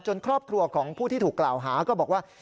ครอบครัวของผู้ที่ถูกกล่าวหาก็บอกว่า